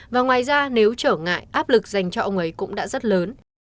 và ngoài ra nếu trở ngại áp lực dành cho ông ấy cũng đã rất lớn